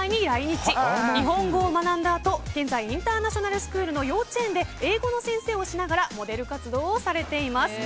日本語を学んだあと現在インターナショナルスクールの幼稚園で英語の先生をしながらモデル活動をされています。